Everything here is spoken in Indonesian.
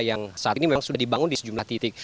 yang saat ini memang sudah dibangun di sejumlah titik